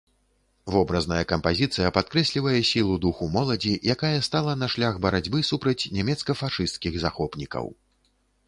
Вобразная кампазіцыя падкрэслівае сілу духу моладзі, якая стала на шлях барацьбы супраць нямецка-фашысцкіх захопнікаў.